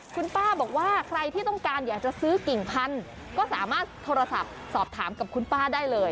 คุณป้าบอกว่าใครที่ต้องการอยากจะซื้อกิ่งพันธุ์ก็สามารถโทรศัพท์สอบถามกับคุณป้าได้เลย